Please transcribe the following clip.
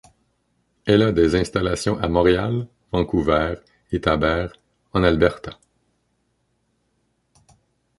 Elle a des installations à Montréal, Vancouver et Taber, en Alberta.